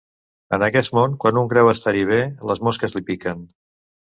En aquest món, quan un creu estar-hi bé, les mosques li piquen.